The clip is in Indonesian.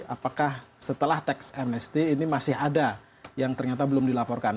apakah setelah tax amnesty ini masih ada yang ternyata belum dilaporkan